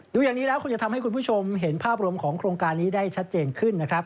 ดูอย่างนี้แล้วคงจะทำให้คุณผู้ชมเห็นภาพรวมของโครงการนี้ได้ชัดเจนขึ้นนะครับ